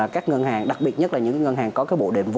các ngân hàng đặc biệt nhất là những ngân hàng